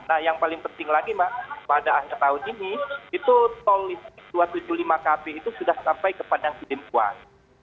nah yang paling penting lagi mbak pada akhir tahun ini itu tol listrik dua ratus tujuh puluh lima kp itu sudah sampai ke padang silimpuan